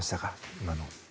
今の。